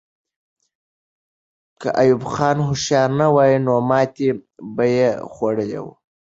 که ایوب خان هوښیار نه وای، نو ماتې به یې خوړلې وه.